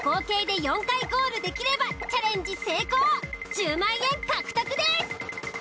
１０万円獲得です。